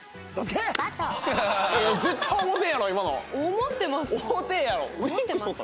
思ってますよ。